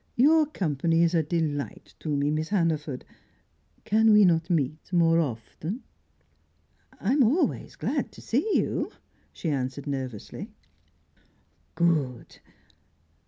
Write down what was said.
Your company is a delight to me, Miss Hannaford. Can we not meet more often?" "I am always glad to see you," she answered nervously. "Good!